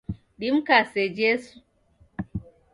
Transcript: Dimkase Jesu.